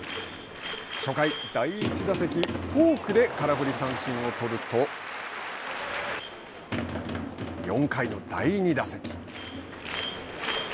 初回、第１打席フォークで空振り三振を取ると４回の第２打席。